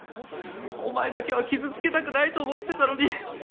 お前だけは傷つけたくないと思ってたのに